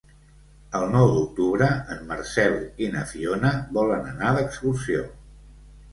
El nou d'octubre en Marcel i na Fiona volen anar d'excursió.